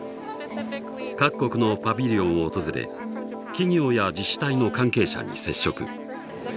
各国のパビリオンを訪れ企業や自治体の関係者に接触。